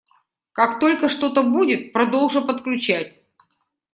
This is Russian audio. Как только что-то будет - продолжу подключать.